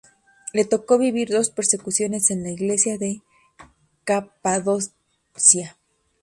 Le tocó vivir dos persecuciones en la Iglesia de Capadocia.